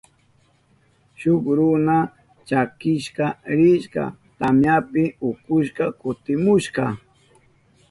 Shuk runa chakishka rishka tamyapi ukushka kutimushka.